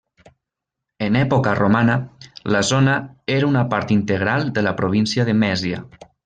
En època romana, la zona era una part integral de la província de Mèsia.